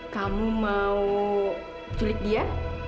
kamu mau culik dia